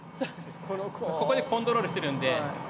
ここでコントロールしてるんで。